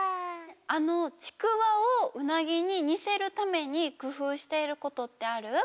あのちくわをうなぎににせるためにくふうしていることってある？